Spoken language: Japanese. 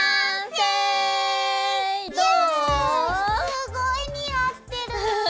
すごい似合ってる！